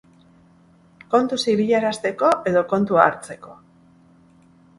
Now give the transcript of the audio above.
Kontuz ibilarazteko edo kontua hartzeko?